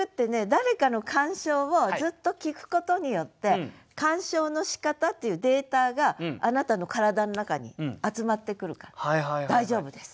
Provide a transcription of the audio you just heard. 誰かの鑑賞をずっと聞くことによって鑑賞のしかたっていうデータがあなたの体の中に集まってくるから大丈夫です。